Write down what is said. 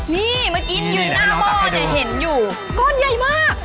นี่เมื่อกี้อยู่หน้าหม้อเนี่ยเห็นอยู่ก้อนใหญ่มาก